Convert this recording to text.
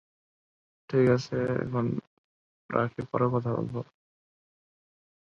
This church is the seat of cardinalatial title of "S. Bernardi ad Thermas".